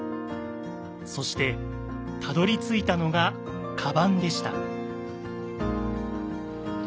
そしてたどりついたのが「かばん」でした。